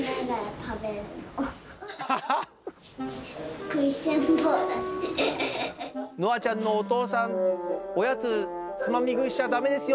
食いしん坊。のあちゃんのお父さん、おやつつまみ食いしちゃだめですよ。